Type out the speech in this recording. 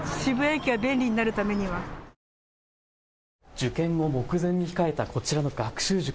受験を目前に控えたこちらの学習塾。